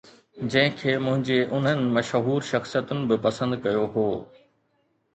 جنهن کي منهنجي انهن مشهور شخصيتن به پسند ڪيو هو.